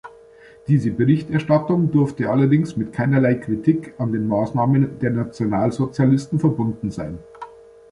Diese Berichterstattung durfte allerdings mit keinerlei Kritik an den Maßnahmen der Nationalsozialisten verbunden sein.